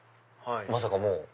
まさかもう？